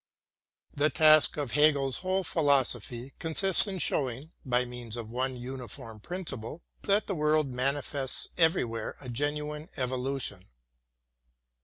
The task of Hegel's whole philosophy consists in show ing, by means of one uniform principle, that the world manifests everywhere a genuine evolution.